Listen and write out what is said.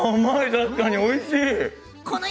確かにおいしい。